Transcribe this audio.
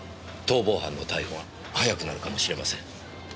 逃亡犯の逮捕が早くなるかもしれません。